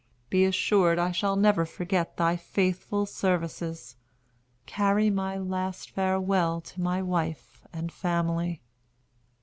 Be assured I shall never forget thy faithful services. Carry my last farewell to my wife and family."